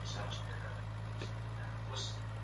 د زکات ورکول تر بخل کولو ښه دي.